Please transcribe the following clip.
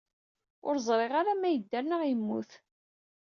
Ur ẓriɣ ara ma idder neɣ immut.